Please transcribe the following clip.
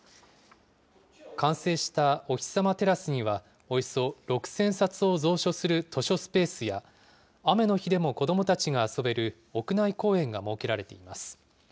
完成したおひさまテラスには、およそ６０００冊を蔵書する図書スペースや、雨の日でも子どもたちが遊べる屋内公園が設けられています。